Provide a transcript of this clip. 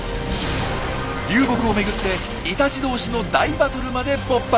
流木を巡ってイタチ同士の大バトルまで勃発！